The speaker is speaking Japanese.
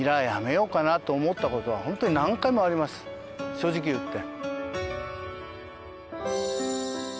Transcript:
正直言って。